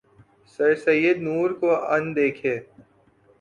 سے سید نور کو ان دیکھے